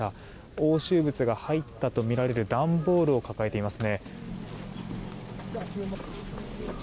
押収物が入ったとみられる段ボールを抱えていますね。